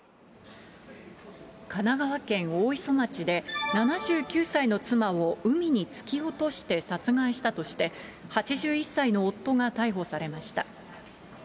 神奈川県大磯町で、７９歳の妻を海に突き落として殺害したとして、８１歳の夫が逮捕されました。